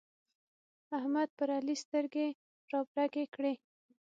احمد پر علي سترګې رابرګې کړې.